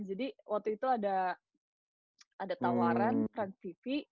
jadi waktu itu ada tawaran transtv